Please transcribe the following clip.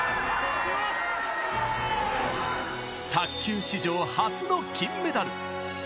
卓球史上初の金メダル。